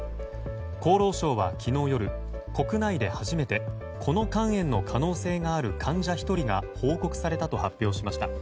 厚労省は昨日夜国内で初めてこの肝炎の可能性がある患者１人が報告されたと発表しました。